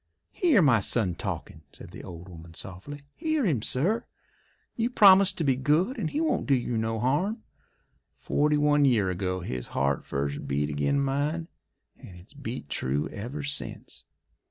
"Hear my son talkin'," said the old woman softly. "Hear him, sir. You promise to be good and he won't do you no harm. Forty one year ago his heart first beat ag'in' mine, and it's beat true ever since."